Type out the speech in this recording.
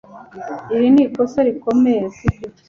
iri ni ikosa rikomeye, sibyo